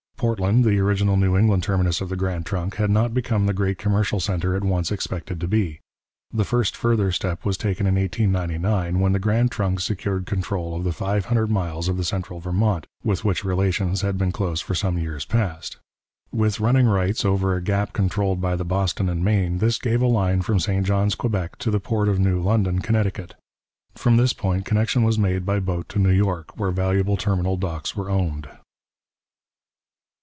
Portland, the original New England terminus of the Grand Trunk, had not become the great commercial centre it once expected to be. The first further step was taken in 1899, when the Grand Trunk secured control of the five hundred miles of the Central Vermont, with which relations had been close for some years past. With running rights over a gap controlled by the Boston and Maine, this gave a line from St Johns, Quebec, to the port of New London, Connecticut; from this point connection was made by boat to New York, where valuable terminal docks were owned.